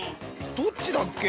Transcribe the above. どっちだっけ？